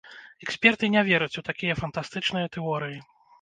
Эксперты не вераць у такія фантастычныя тэорыі.